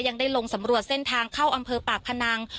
ยังได้ลงสำรวจเส้นทางเข้าอำเภอปากพนัง